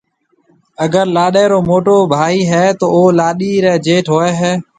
اگر لاڏيَ رو موٽو ڀائي هيَ تو او لاڏيِ ريَ جيٺ هوئي هيَ۔